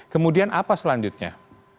kemudian apa selanjutnya